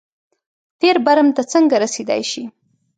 تېر برم ته څنګه رسېدای شي.